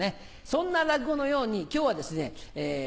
そんな落語のように今日はですね